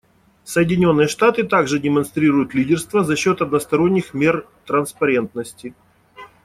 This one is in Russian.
Соединенные Штаты также демонстрируют лидерство за счет односторонних мер транспарентности.